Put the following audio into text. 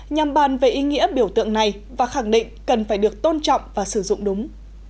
nhằm bàn về ý nghĩa biểu tượng này và khẳng định cần phải được tôn trọng và sử dụng đúng